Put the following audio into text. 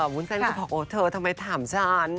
วุ้นเส้นก็บอกโอ้เธอทำไมถามฉัน